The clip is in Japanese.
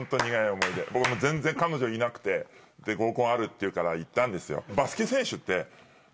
僕全然彼女いなくて合コンあるっていうから行ったんですよ。